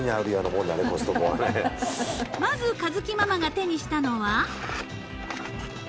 ［まず佳月ママが手にしたのは］